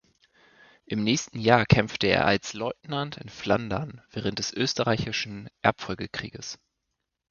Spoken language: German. Im nächsten Jahr kämpfte er als Leutnant in Flandern während des Österreichischen Erbfolgekrieges.